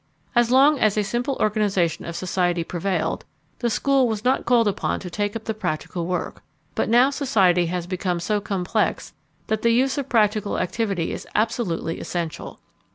As long as a simple organization of society prevailed, the school was not called upon to take up the practical work; but now society has become so complex that the use of practical activity is absolutely essential.